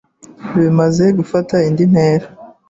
Bimaze gufata indi ntera